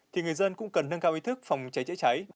thì người dân cũng cần nâng cao ý thức phòng cháy chữa cháy